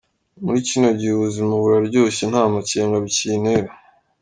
"Muri kino gihe ubuzima buraryoshe, nta makenga bikintera.